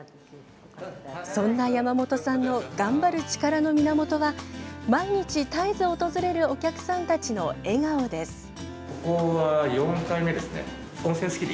そんな山本さんの頑張る力の源は毎日絶えず訪れるお客さんたちの笑顔です。